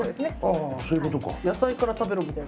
ああそういうことか。